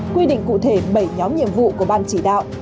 quy định cụ thể bảy nhóm nhiệm vụ của ban chỉ đạo